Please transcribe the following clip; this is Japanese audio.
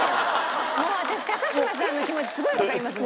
もう私高嶋さんの気持ちすごいわかりますもん。